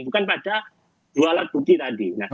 bukan pada dua alat bukti tadi